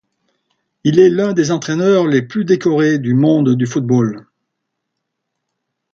Il est l'un des entraîneurs les plus décorés du monde du football.